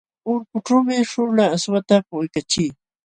Ulpućhuumi śhuula aswata puquykaachii.